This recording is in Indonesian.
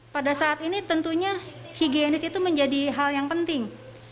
pada saat ini tentunya higienis itu menjadi hal yang penting